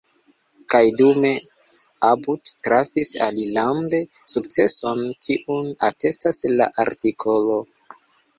Kaj dume About trafis alilande sukceson, kiun atestas la artikolo.